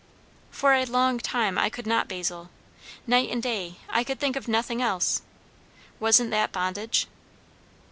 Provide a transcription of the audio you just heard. "For a long time I could not, Basil. Night and day I could think of nothing else. Wasn't that bondage?"